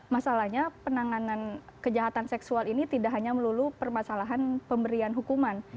masalahnya penanganan kejahatan seksual ini tidak hanya melulu permasalahan pemberian hukuman